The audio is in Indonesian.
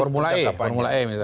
formula e misalnya